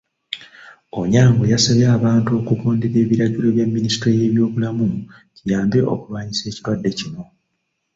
Onyango yasabye abantu okugondera ebiragiro bya Minisitule y'ebyobulamu kiyambe okulwanyisa ekirwadde kino.